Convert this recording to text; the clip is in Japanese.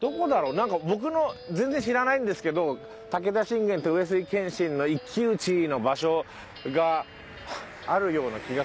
なんか僕の全然知らないんですけど武田信玄と上杉謙信の一騎打ちの場所があるような気がするんです。